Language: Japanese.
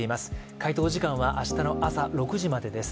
回答時間は明日の朝６時までです。